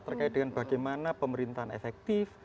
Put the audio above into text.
terkait dengan bagaimana pemerintahan efektif